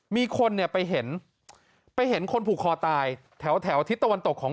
มีคนเนี่ยไปเห็นไปเห็นคนผูกคอตายแถวแถวทิศตะวันตกของ